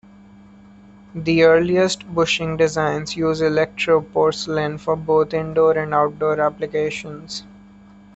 The earliest bushing designs use electro porcelain for both indoor and outdoor applications.